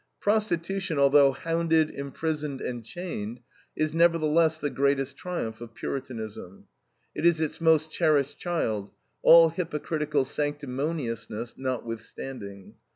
Prostitution, although hounded, imprisoned, and chained, is nevertheless the greatest triumph of Puritanism. It is its most cherished child, all hypocritical sanctimoniousness notwithstanding.